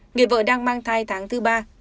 người vợ đang mang thai tháng thứ ba